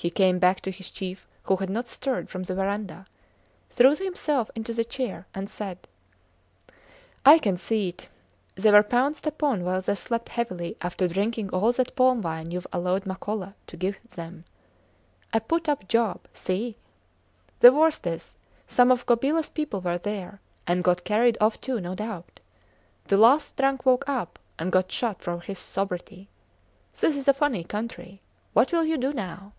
He came back to his chief, who had not stirred from the verandah, threw himself in the chair and said I can see it! They were pounced upon while they slept heavily after drinking all that palm wine youve allowed Makola to give them. A put up job! See? The worst is, some of Gobilas people were there, and got carried off too, no doubt. The least drunk woke up, and got shot for his sobriety. This is a funny country. What will you do now?